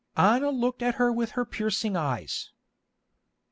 Anna looked at her with her piercing eyes.